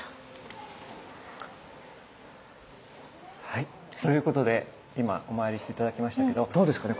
はいということで今お参りして頂きましたけどどうですかね？